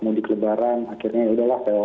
mau dikelebaran akhirnya ya udahlah saya